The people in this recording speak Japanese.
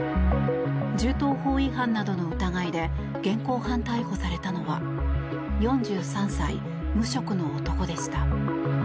銃刀法違反などの疑いで現行犯逮捕されたのは４３歳、無職の男でした。